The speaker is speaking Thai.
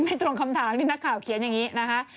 ตรงคำถามที่นักข่าวเขียนอย่างนี้นะคะ